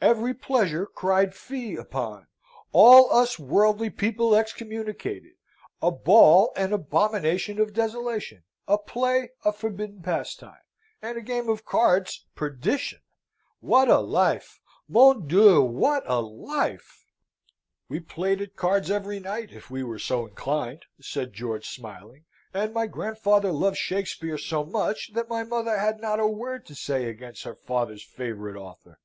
Every pleasure cried fie upon; all us worldly people excommunicated; a ball an abomination of desolation; a play a forbidden pastime; and a game of cards perdition! What a life! Mon Dieu, what a life!" "We played at cards every night, if we were so inclined," said George, smiling; "and my grandfather loved Shakspeare so much, that my mother had not a word to say against her father's favourite author."